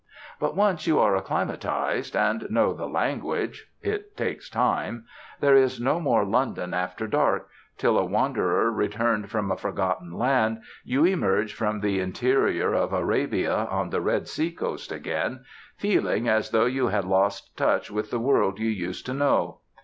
But once you are acclimatized, and know the language it takes time there is no more London after dark, till, a wanderer returned from a forgotten land, you emerge from the interior of Arabia on the Red Sea coast again, feeling as though you had lost touch with the world you used to know.